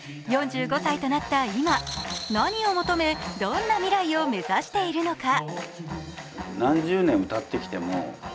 ４５歳となった今、何を求め、どんな未来を目指しているのか。